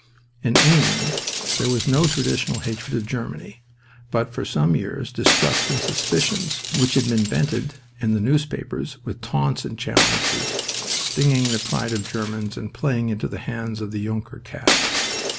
In England there was no traditional hatred of Germany, but for some years distrust and suspicions, which had been vented in the newspapers, with taunts and challenges, stinging the pride of Germans and playing into the hands of the Junker caste.